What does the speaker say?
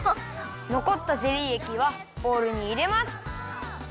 のこったゼリーえきはボウルにいれます。